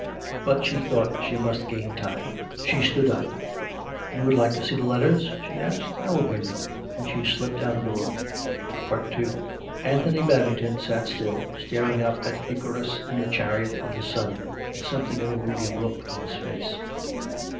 But she thought she must gain time. She stood up. "You would like to see his letters.''" she asked. "I will bring them." And she slipped out of the room. 136 COME RACK! COME ROPE! II Anthony Babington sat srtill, staring up at Icarus in the the chariot of the Sun, with something of a moody look on his face.